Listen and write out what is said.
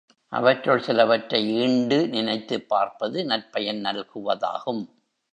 அவற்றுள் சிலவற்றை ஈண்டு நினைத்துப் பார்ப்பது நற்பயன் நல்குவதாகும்.